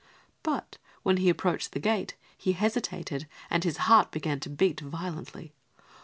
But when he approached the gate he hesitated and his heart began to beat violently.